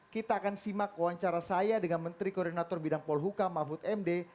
kita akan simak wawancara saya dengan menteri koordinator bidang polhukam mahfud md